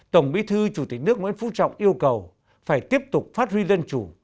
tổng bí thư chủ tịch nước nguyễn phú trọng yêu cầu phải tiếp tục phát huy dân chủ